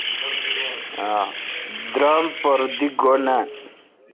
درام پر دی گُو نان۔